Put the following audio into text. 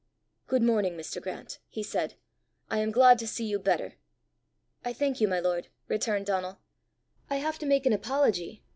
"Good morning, Mr. Grant," he said. "I am glad to see you better!" "I thank you, my lord," returned Donal. "I have to make an apology.